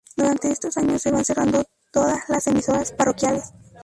Durante estos años se van cerrando todas las emisoras parroquiales.